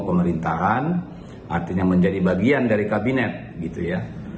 pemerintahan artinya menjadi bagian dari kabinet gitu ya